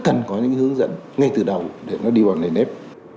cần có những hướng dẫn ngay từ đầu để nó đi vào nền nếp